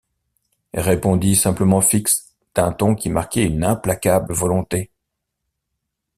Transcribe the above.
répondit simplement Fix, d’un ton qui marquait une implacable volonté.